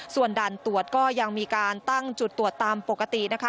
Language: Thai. ส่วนด่านตรวจก็ยังมีการตั้งจุดตรวจตามปกตินะคะ